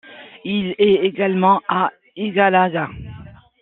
Il est également à Igualaga.